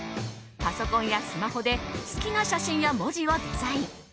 パソコンやスマホで好きな写真や文字をデザイン。